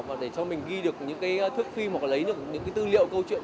và để cho mình ghi được những cái thước phim hoặc là lấy được những cái tư liệu câu chuyện